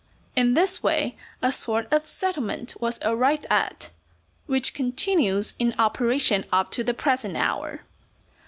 In this way a sort of settlement was arrived at, which continues in operation up to the present hour.